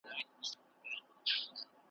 ته به خبره نه یې .